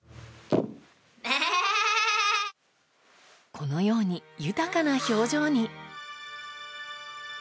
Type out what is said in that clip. このように、豊かな表情に。